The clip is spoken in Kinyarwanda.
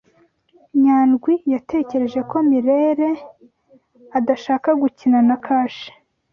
Nyandwi yatekereje ko Mirelle adashaka gukina na kashe.